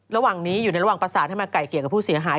ระหว่างนี้อยู่ในระหว่างประสานให้มาไก่เกลียกับผู้เสียหาย